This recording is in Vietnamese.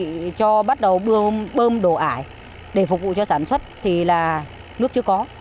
để cho bắt đầu bơm đổ ải để phục vụ cho sản xuất thì là nước chưa có